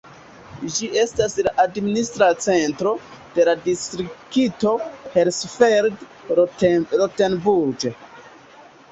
Ĝi estas la administra centro de la distrikto Hersfeld-Rotenburg.